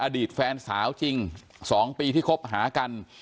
อดีตแฟนสาวจริง๒ปีที่คบหากัน